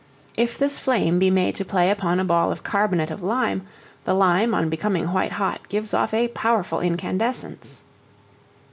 If this flame be made to play upon a ball of carbonate of lime, the lime on becoming white hot gives off a powerful incandescence.